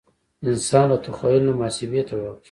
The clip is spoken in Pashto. انسان له تخیل نه محاسبه ته واوښت.